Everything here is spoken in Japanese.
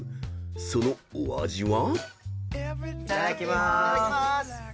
［そのお味は？］